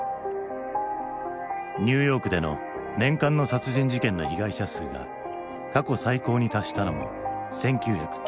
ニューヨークでの年間の殺人事件の被害者数が過去最高に達したのも１９９０年のこと。